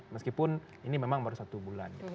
meskipun ini memang baru satu bulan